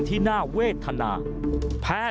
มันกลับมาแล้ว